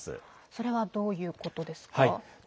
それはどういうことですか？